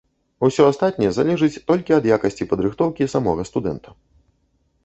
Усе астатняе залежыць толькі ад якасці падрыхтоўкі самога студэнта.